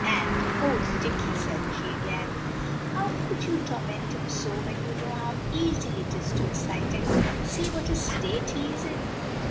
And "Oh, Dicky," says, she again, "how could you torment him so, when you know how easy it is to excite him. See what a state he is in!"